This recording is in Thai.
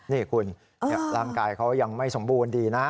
นี่คุณร่างกายเขายังไม่สมบูรณ์ดีนะ